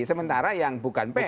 sementara yang bukan pers